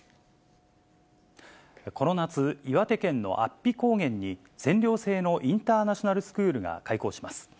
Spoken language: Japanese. この夏、岩手県の安比高原に、全寮制のインターナショナルスクールが開校します。